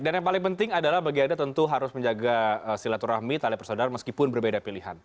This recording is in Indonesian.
dan yang paling penting adalah bagiannya tentu harus menjaga silaturahmi tali persaudara meskipun berbeda pilihan